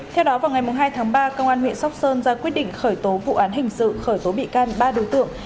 theo đó vào ngày hai tháng ba công an huyện sóc sơn ra quyết định khởi tố vụ án hình sự khởi tố bị can ba đối tượng